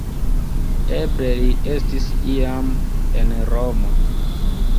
Eble li estis iam en Romo.